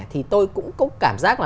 thì tôi cũng có cảm giác là